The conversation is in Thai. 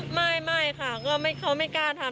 ไม่ค่ะก็เขาไม่กล้าทำ